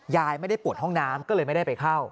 ยายไม่ได้ปวดห้องน้ำก็เลยไม่ได้ไปเข้า